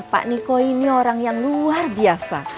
pak niko ini orang yang luar biasa